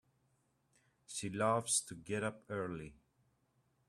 She loves to get up early.